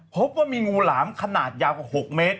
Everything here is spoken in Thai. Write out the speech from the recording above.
พบว่ามีงูหลามขนาดยาวกว่า๖เมตร